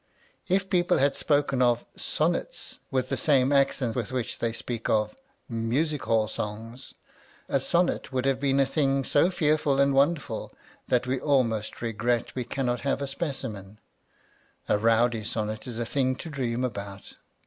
If people had spoken of "sonnets" with the same accent with which they speak of " music hall songs," a sonnet would have been a thing so fearful and wonderful that we almost regret we cannot have a specimen ; a rowdy sonnet is a thing to dream about.